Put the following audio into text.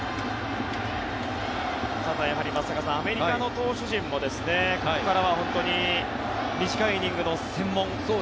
ただ、やはり松坂さんアメリカの投手陣もここからは本当に短いイニングの専門。